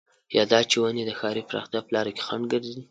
يا دا چې ونې د ښاري پراختيا په لاره کې خنډ ګرځي.